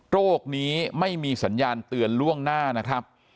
โรคนี้ไม่มีสัญญาณเตือนล่วงหน้านะครับ